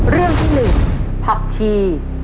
เรื่องที่๑ผักชี